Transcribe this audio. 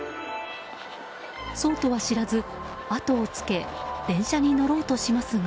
そうとは知らず、後をつけ電車に乗ろうとしますが。